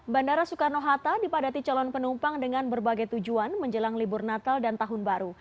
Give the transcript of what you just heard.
bandara soekarno hatta dipadati calon penumpang dengan berbagai tujuan menjelang libur natal dan tahun baru